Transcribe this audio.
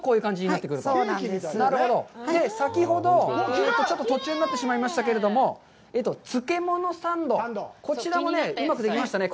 先ほど、ちょっと途中になってしまいましたけれども、漬物サンド、こちらもうまくできましたね。